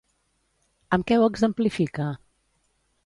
Amb què ho exemplifica?